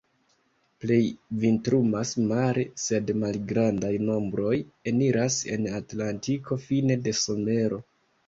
Plej vintrumas mare, sed malgrandaj nombroj eniras en Atlantiko fine de somero.